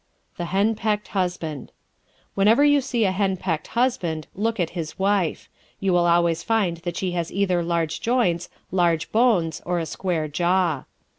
The Hen Pecked Husband ¶ Whenever you see a hen pecked husband look at his wife. You will always find that she has either large joints, large bones or a square jaw.